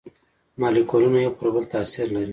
مالیکولونه یو پر بل تاثیر لري.